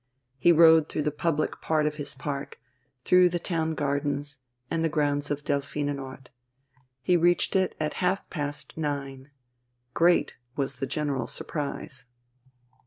He rode through the public part of his park, through the Town Gardens and the grounds of Delphinenort. He reached it at half past nine. Great was the general surprise.